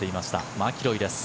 マキロイです。